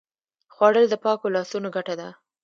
خوړل د پاکو لاسونو ګټه ده